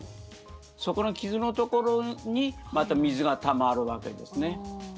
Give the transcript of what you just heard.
そこの傷のところにまた水がたまるわけですね。